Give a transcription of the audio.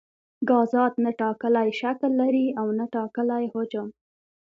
ګازات نه ټاکلی شکل لري او نه ټاکلی حجم.